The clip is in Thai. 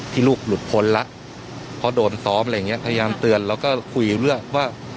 ลูกหลุดพ้นแล้วเพราะโดนซ้อมอะไรอย่างเงี้พยายามเตือนแล้วก็คุยเรื่องว่า